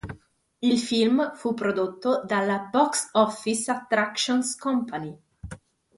Il film fu prodotto dalla Box Office Attractions Company.